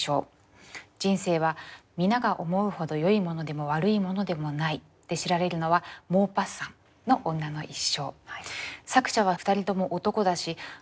“人生は皆が思うほど良いものでも悪いものでもない”で知られるのはモーパッサンの『女の一生』」。